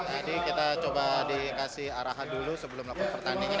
jadi kita coba dikasih arahan dulu sebelum melakukan pertandingan